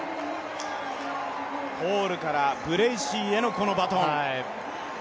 ホールからブレーシーへのこのバトン。